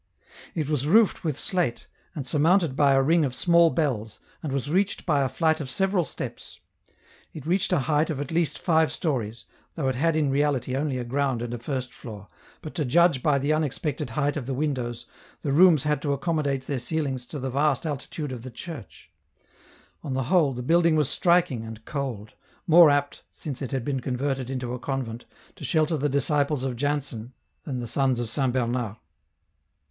It was roofed with slate, and surmounted by a ring of small bells, and was reached by a flight of several steps. It reached a height of at least five stories, though it had in reality only a ground and a first floor, but to judge by the unexpected height of the windows, the rooms had to accommodate their ceilings to the vast altitude of the church ; on the whole the building was striking and cold, more apt, since it had been converted into a convent, to shelter the disciples of Jansen, than the sons of Saint Bernard.